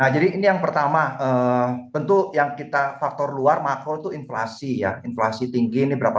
jadi ini yang pertama tentu yang kita faktor luar makro itu inflasi ya inflasi tinggi ini berapa